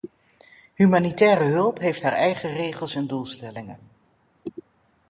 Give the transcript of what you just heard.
Humanitaire hulp heeft haar eigen regels en doelstellingen.